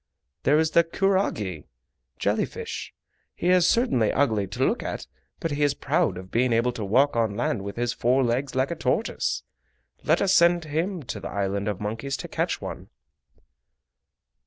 There is the kurage (jelly fish). He is certainly ugly to look at, but he is proud of being able to walk on land with his four legs like a tortoise. Let us send him to the Island of Monkeys to catch one."